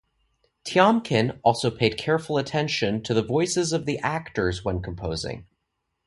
Tiomkin also paid careful attention to the voices of the actors when composing.